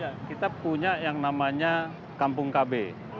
ya kita punya yang namanya kampung kb